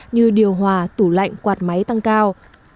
như điều hòa tủ lạnh quạt máy tăng cao